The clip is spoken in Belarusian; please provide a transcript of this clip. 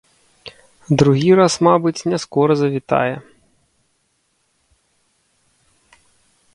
Другі раз, мабыць, не скора завітае.